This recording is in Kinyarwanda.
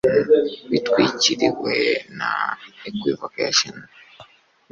Bitwikiriwe na equivocation